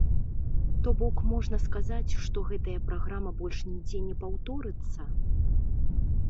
То бок, можна сказаць, што гэтая праграма больш нідзе не паўторыцца?